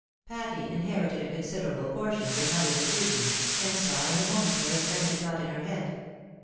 Patty inherited a considerable portion of her mother's acute ness, and saw in a moment what her friend had got in her head.